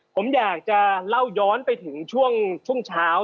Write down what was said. ผมอยากจะเล่าย้อนไปถึงช่วงเช้า